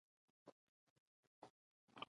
کومې پېښې د ژوند د معیار په ښه کولو کي مرسته کوي؟